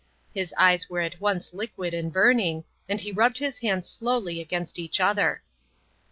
His eyes were at once liquid and burning, and he rubbed his hands slowly against each other.